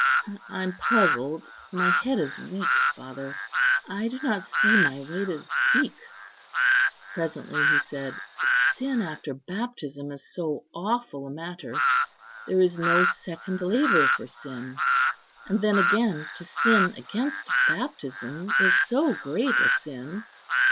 "I am puzzled, my head is weak, father; I do not see my way to speak." Presently he said, "Sin after baptism is so awful a matter; there is no second laver for sin; and then again, to sin against baptism is so great a sin."